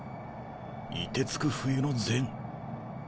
凍てつく冬のゼン？